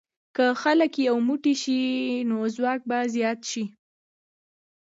که خلک یو موټی شي، نو ځواک به زیات شي.